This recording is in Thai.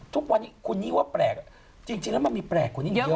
ทุกวันนี้คนนี้ว่าแปลกจริงจริงแล้วมันมีแปลกกว่านี้เยอะ